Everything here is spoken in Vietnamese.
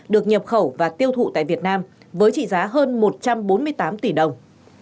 được nhập khẩu và tiêu thụ tại việt nam với trị giá hơn một trăm bốn mươi tám tỷ đồng